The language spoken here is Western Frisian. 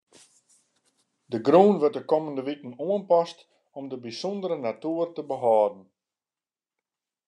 De grûn wurdt de kommende wiken oanpast om de bysûndere natoer te behâlden.